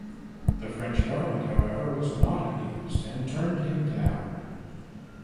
The French Government, however, was not amused and turned him down.